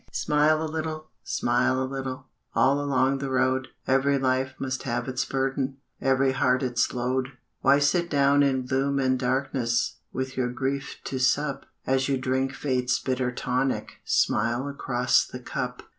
Smile a little, smile a little, All along the road; Every life must have its burden, Every heart its load. Why sit down in gloom and darkness, With your grief to sup? As you drink Fate's bitter tonic Smile across the cup.